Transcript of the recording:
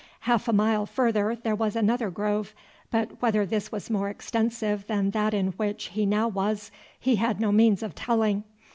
Half a mile further there was another grove; but whether this was more extensive than that in which he now was he had no means of telling.